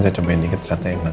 saya cobain dikit ternyata enak